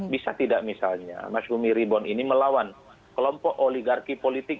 bisa tidak misalnya mas humi ribon ini melawan kelompok oligarki politik